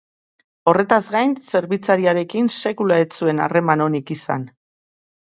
Horretaz gain, zerbitzariarekin sekula ez zuen harreman onik izan.